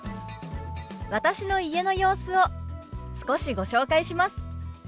私の家の様子を少しご紹介します。